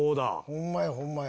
ホンマやホンマや。